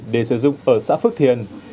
để sử dụng ở xã phước thiền